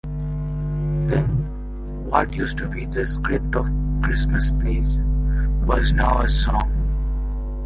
Then, what used to be the script of a Christmas play, was now a song.